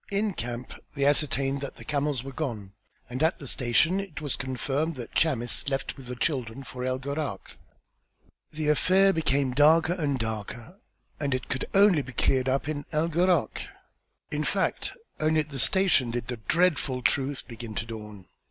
In camp they ascertained that the camels were gone, and at the station it was confirmed that Chamis left with the children for El Gharak. The affair became darker and darker and it could be cleared up only in El Gharak. In fact, only at that station did the dreadful truth begin to dawn.